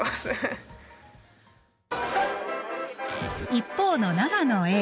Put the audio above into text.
一方の長野Ａ。